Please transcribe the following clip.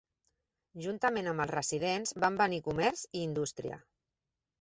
Juntament amb els residents van venir comerç i indústria.